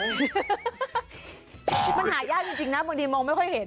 มันหายากจริงนะบางทีมองไม่ค่อยเห็น